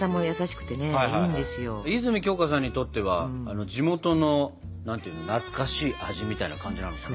泉鏡花さんにとっては地元の懐かしい味みたいな感じなのかな。